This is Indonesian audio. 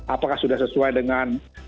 apakah sudah sesuai dengan